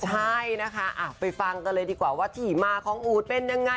ใช่นะคะไปฟังกันเลยดีกว่าว่าที่มาของอู๋ดเป็นยังไง